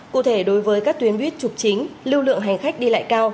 cụ thể đối với các tuyến buýt trục chính lưu lượng hành khách đi lại cao